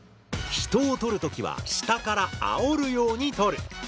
人を撮るときは下からあおるように撮る。